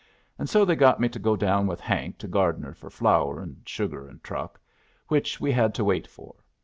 And so they got me to go down with Hank to Gardner for flour and sugar and truck, which we had to wait for.